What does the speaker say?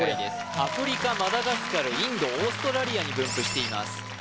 アフリカマダガスカルインドオーストラリアに分布しています